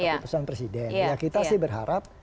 keputusan presiden ya kita sih berharap